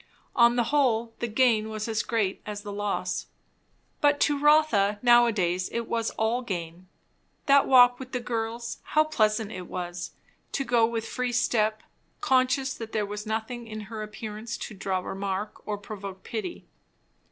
On the whole the gain was as great as the loss. But to Rotha now a days it was all gain. That walk with the girls; how pleasant it was, to go with free step, conscious that there was nothing in her appearance to draw remark or provoke pity.